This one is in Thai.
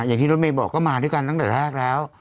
อย่างที่รถเมย์บอกก็มาด้วยกันตั้งแต่แรกแล้ว